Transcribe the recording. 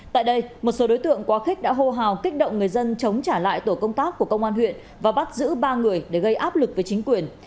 tại đây một số đối tượng quá khích đã hô hào kích động người dân chống trả lại tổ công tác của công an huyện và bắt giữ ba người để gây áp lực với chính quyền